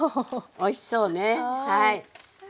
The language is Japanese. おいしそうね。